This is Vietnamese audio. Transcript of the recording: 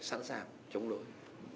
sẵn sàng chống đối